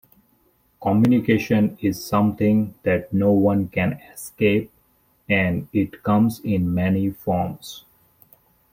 Communication is something that no one can escape and it comes in many forms.